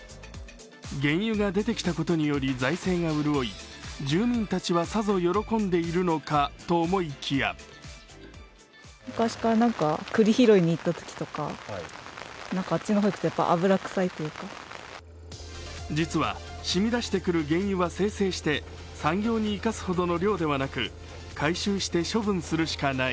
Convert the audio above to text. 原油が出てきたことにより財政が潤い、住民たちはさぞ喜んでいるのかと思いきや実はしみ出してくる原油は精製して産業に生かすほどの量ではなく回収して、処分するしかない。